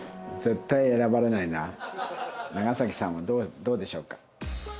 長さんはどうでしょうか。